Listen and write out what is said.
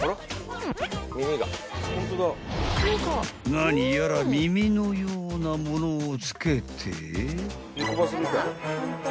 ［何やら耳のようなものを付けて］